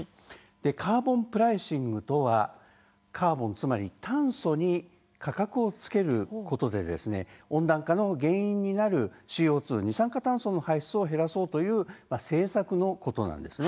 カーボンプライシングとは炭素に価格をつけることで温暖化の原因になるＣＯ２、二酸化炭素の排出を減らそうという政策のことなんです。